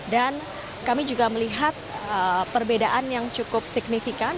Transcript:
dan kami juga melihat perbedaan yang cukup signifikan